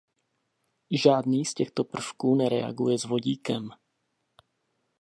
Žádný z těchto prvků nereaguje s vodíkem.